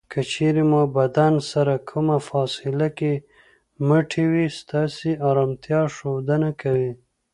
که چېرې مو بدن سره کمه فاصله کې مټې وي ستاسې ارامتیا ښودنه کوي.